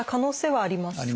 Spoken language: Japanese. ありますね。